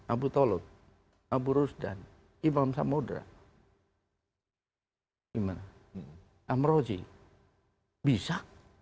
abu tolod abu rusdan imam samudera gimana amroji bisa